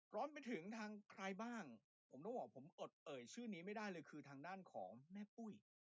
รวมไปถึงทางใครบ้างผมต้องบอกผมอดเอ่ยชื่อนี้ไม่ได้เลยคือทางด้านของแม่ปุ้ย